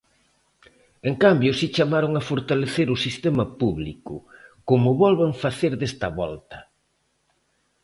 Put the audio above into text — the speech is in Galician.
En cambio si chamaron a fortalecer o sistema público, como volven facer desta volta.